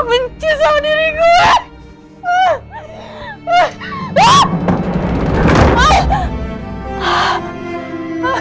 manusia gak berguna